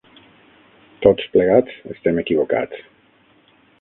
Tots plegats estem equivocats.